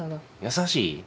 優しい？